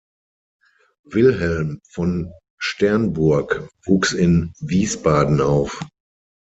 Wilhelm von Sternburg wuchs in Wiesbaden auf.